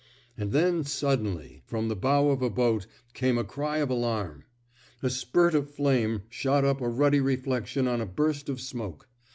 And then, suddenly, from the bow of the boat, came a cry of alarm. A spurt of flame shot up a ruddy reflection on a burst of smoke.